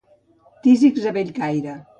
Tísics a Bellcaire.